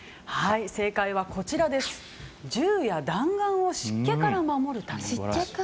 正解は銃や弾丸を湿気から守るため。